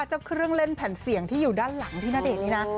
เครื่องเล่นแผ่นเสียงที่อยู่ด้านหลังพี่ณเดชน์นี่นะ